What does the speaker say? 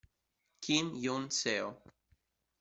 Kim Yoon-seo